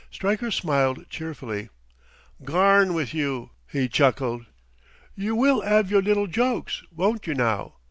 Stryker smiled cheerfully. "Garn with you!" he chuckled. "You will 'ave yer little joke, won't you now?